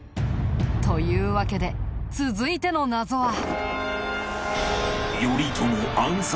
というわけで続いての謎は。